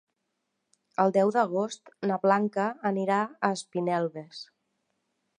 El deu d'agost na Blanca anirà a Espinelves.